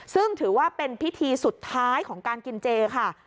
ซึ่งถือว่าเป็นพิธีสุดท้ายของการกินเจค่ะ